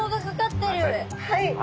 はい！